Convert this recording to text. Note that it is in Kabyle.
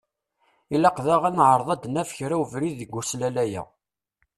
Ilaq daɣ ad neεreḍ ad d-naf kra ubrid deg uslellay-a.